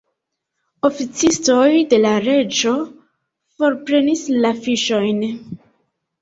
Oficistoj de la reĝo forprenis la fiŝojn.